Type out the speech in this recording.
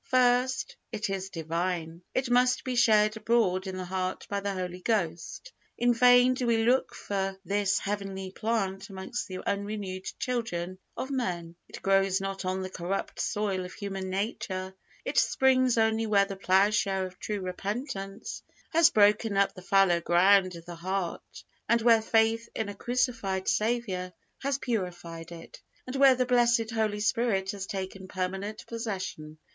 First. It is Divine. It must be shed abroad in the heart by the Holy Ghost. In vain do we look for this heavenly plant amongst the unrenewed children of men it grows not on the corrupt soil of human nature; it springs only where the ploughshare of true repentance has broken up the fallow ground of the heart, and where faith in a crucified Saviour has purified it, and where the blessed Holy Spirit has taken permanent possession.